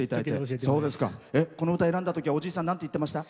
この歌、選んだときはおじい様、なんて言っていました？